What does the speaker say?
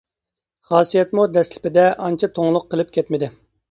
خاسىيەتمۇ دەسلىپىدە ئانچە توڭلۇق قىلىپ كەتمىدى.